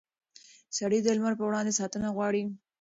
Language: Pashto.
سړي د لمر پر وړاندې ساتنه غواړي.